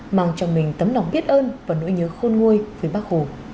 mong cho mình tấm nồng biết ơn và nỗi nhớ khôn nguôi với bắc hồ